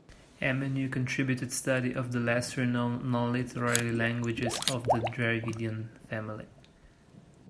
Emeneau contributed study of the lesser known, non-literary languages of the Dravidian family.